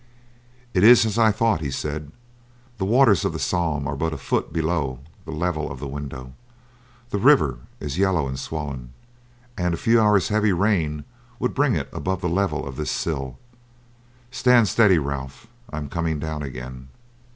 "It is as I thought," he said. "The waters of the Somme are but a foot below the level of this window; the river is yellow and swollen, and a few hours' heavy rain would bring it above the level of this sill. Stand steady, Ralph, I am coming down again."